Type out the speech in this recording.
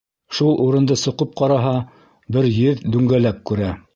Шул урынды соҡоп ҡараһа, бер еҙ дүңгәләк күрә.